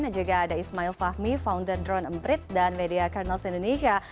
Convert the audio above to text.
dan juga ada ismail fahmi founder drone embrit dan media colonels indonesia